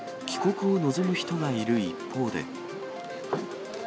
帰国を望む人がいる一方で。